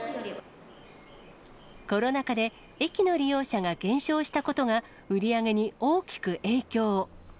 コロナ禍で駅の利用者が減少したことが、売り上げに大きく影響。